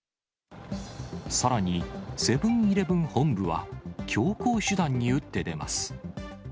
さらに、セブンーイレブン本部は、強硬手段に打って出ます。